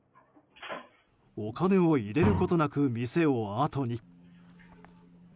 お金を入れることなく店を後に。